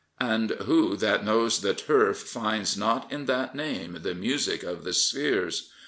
And who that knows the Turf finds not in that name the music of the spheres?